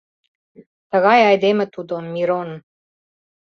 Тыгай айдеме тудо, Мирон.